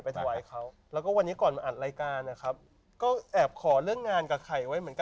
ถวายเขาแล้วก็วันนี้ก่อนมาอัดรายการนะครับก็แอบขอเรื่องงานกับไข่ไว้เหมือนกัน